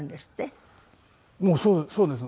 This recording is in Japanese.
もうそうです。